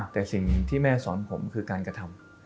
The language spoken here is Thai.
แต่สิ่งที่แม่สอนผมคือการกระทำ